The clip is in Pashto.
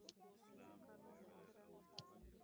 پخواني خلک د دې مفکورې نه وو.